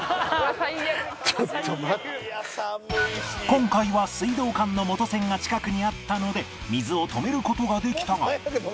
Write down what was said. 今回は水道管の元栓が近くにあったので水を止める事ができたが